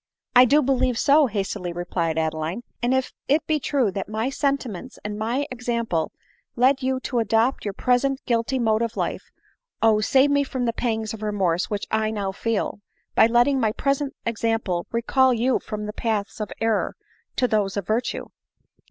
" I do believe so," hastily replied Adeline ;" and if it be true that my sentiments and my example led you to adopt your present guilty mode of life — oh ! save me from the pangs of remorse which I now feel, by letting my present example recall you from the paths of error to those of virtue."